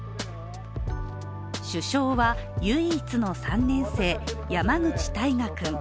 主将は唯一の３年生、山口大河君。